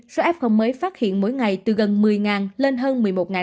số f mới phát hiện mỗi ngày từ gần một mươi lên hơn một mươi một năm trăm linh